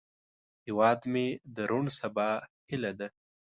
هیواد مې د روڼ سبا هیله ده